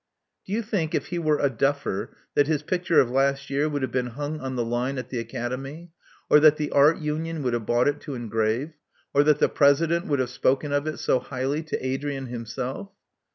Do you think, if he were a duffer, that his picture of last year would have been hung on the line at the Academy; or that the Art Union would have bought it to engrave ; or that the President would have spoken of it so highly to Adrian himself?"